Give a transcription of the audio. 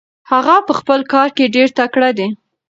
هغه په خپل کار کې ډېر تکړه دی.